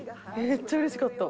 めっちゃ嬉しかった。